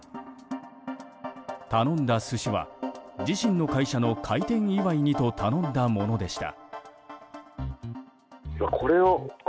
頼んだ寿司は自身の会社の開店祝いにと頼んだものでした。